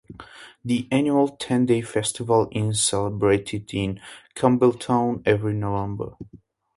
The annual ten-day festival is celebrated in Campbelltown, every November.